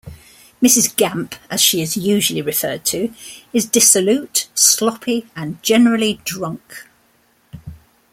Mrs. Gamp, as she is usually referred to, is dissolute, sloppy and generally drunk.